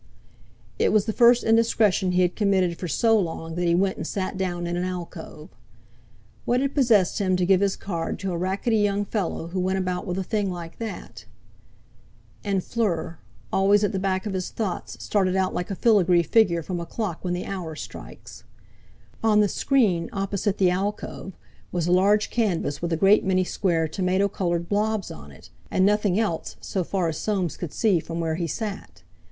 It was the first indiscretion he had committed for so long that he went and sat down in an alcove. What had possessed him to give his card to a rackety young fellow, who went about with a thing like that? And Fleur, always at the back of his thoughts, started out like a filigree figure from a clock when the hour strikes. On the screen opposite the alcove was a large canvas with a great many square tomato coloured blobs on it, and nothing else, so far as Soames could see from where he sat.